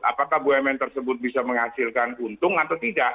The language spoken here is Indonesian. apakah bumn tersebut bisa menghasilkan untung atau tidak